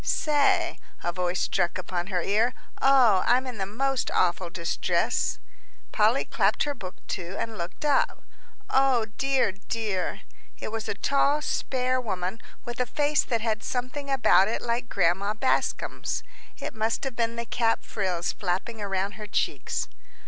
"Say," a voice struck upon her ear, "oh, I'm in the most awful distress." Polly clapped her book to, and looked up. "O dear, dear!" It was a tall, spare woman with a face that had something about it like Grandma Bascom's. It must have been the cap frills flapping around her cheeks.